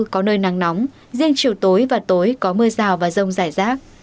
có nơi nắng nóng riêng chiều tối và tối có mưa rào và rông rải rác